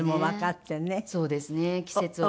そうですね季節を。